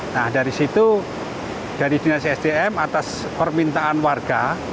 nah dari situ dari dinas sdm atas permintaan warga